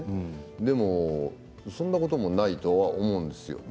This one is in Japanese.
でも、そんなこともないとは思うんですよ。